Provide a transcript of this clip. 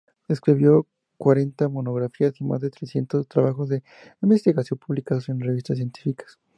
Escribió cuarenta monografías y más de trescientos trabajos de investigación publicados en revistas científicas.